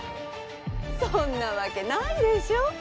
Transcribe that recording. そんなわけないでしょ。